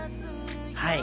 はい。